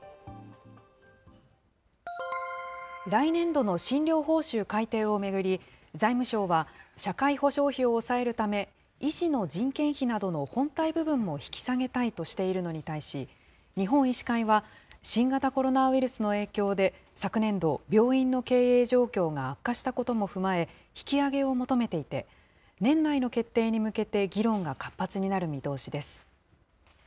来年度の診療報酬改定を巡り、財務省は社会保障費を抑えるため、医師の人件費などの本体部分も引き下げたいとしているのに対し、日本医師会は、新型コロナウイルスの影響で、昨年度、病院の経営状況が悪化したことも踏まえ、引き上げを求めていて、年内の決定に向けて議論が活発になる見通しです。